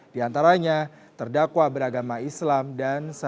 di antaranya terdakwa beragama islam dan agama